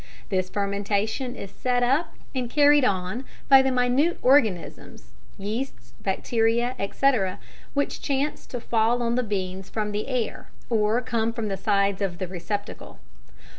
This fermentation is set up and carried on by the minute organisms (yeasts, bacteria, etc.), which chance to fall on the beans from the air or come from the sides of the receptacle.